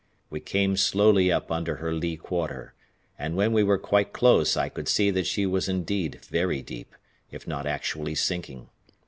We came slowly up under her lee quarter, and when we were quite close I could see that she was indeed very deep, if not actually sinking.